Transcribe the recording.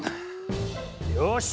よし！